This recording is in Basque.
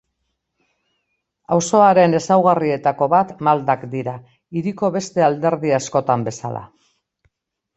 Auzoaren ezaugarrietako bat, maldak dira, hiriko beste alderdi askotan bezala.